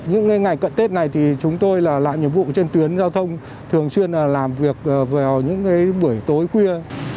những ngày cận tết này thì chúng tôi là làm nhiệm vụ trên tuyến giao thông thường xuyên làm việc vào những buổi tối khuya